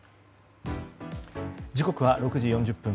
時刻は６時４０分。